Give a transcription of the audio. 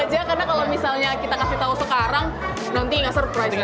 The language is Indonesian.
aja karena kalau misalnya kita kasih tahu sekarang nanti nggak surpri juga